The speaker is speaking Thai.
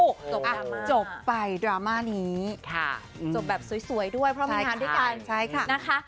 จบอ่ะจบไปดราม่านี้จบแบบสวยด้วยเพราะมีงานด้วยกันนะคะ